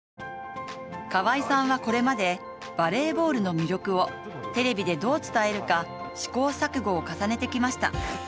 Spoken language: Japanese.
川合さんはこれまで、バレーボールの魅力をテレビでどう伝えるか試行錯誤を重ねてきました。